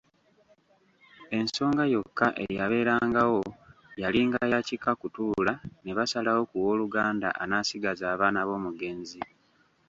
Ensonga yokka eyabeerangawo yalinga ya kika kutuula ne basalawo ku wooluganda anaasigaza abaana b’omugenzi.